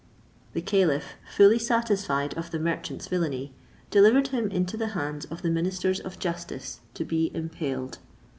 The caliph, fully satisfied of the merchant's villany, delivered him into the hands of the ministers of justice to be impaled.